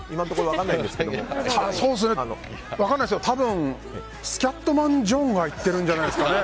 分からないですけど多分、スキャットマンジョンが行ってるんじゃないですかね。